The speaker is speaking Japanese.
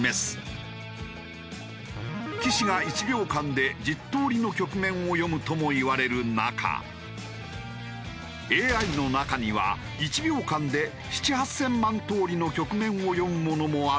棋士が１秒間で１０通りの局面を読むともいわれる中ＡＩの中には１秒間で７０００万８０００万通りの局面を読むものもあるといわれている。